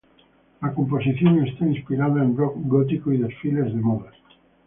La composición está inspirada en rock gótico y desfiles de modas.